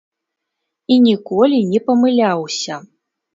І ніколі не памыляўся.